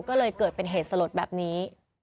ก็เลยเกิดเป็นเหตุสลดแบบนี้